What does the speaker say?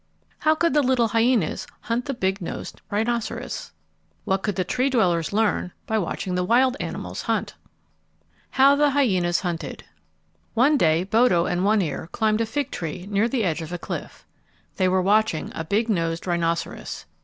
How could the little hyenas hunt the big nosed rhinoceros? What could the Tree dwellers learn by watching the wild animals hunt? How the Hyenas Hunted One day Bodo and One Ear climbed a fir tree near the edge of a cliff. They were watching a big nosed rhinoceros.